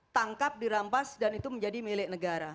tangkap dirampas dan itu menjadi milik negara